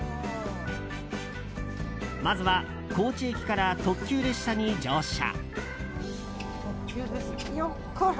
まずは、高知駅から特急列車に乗車。